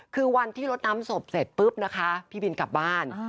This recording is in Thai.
คือวันที่รถน้ำศพเสร็จปุ๊บนะคะพี่บินกลับบ้าน